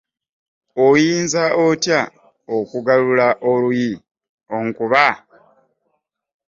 Oyinza otya okugalula oluyi onkuba?